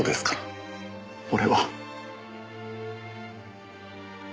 俺は。